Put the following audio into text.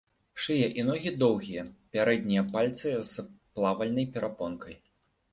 Шыя і ногі доўгія, пярэднія пальцы з плавальнай перапонкай.